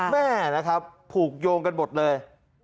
แม่นะครับผูกโยงกันหมดเลย